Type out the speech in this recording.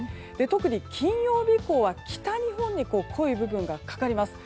特に金曜日以降は北日本に濃い部分がかかります。